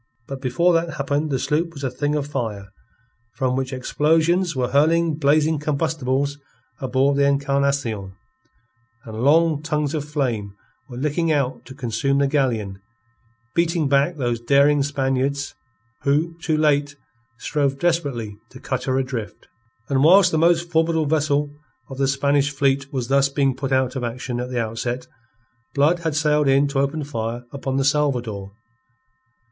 But before that happened the sloop was a thing of fire, from which explosions were hurling blazing combustibles aboard the Encarnacion, and long tongues of flame were licking out to consume the galleon, beating back those daring Spaniards who, too late, strove desperately to cut her adrift. And whilst the most formidable vessel of the Spanish fleet was thus being put out of action at the outset, Blood had sailed in to open fire upon the Salvador.